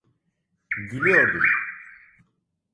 Gülüyordum.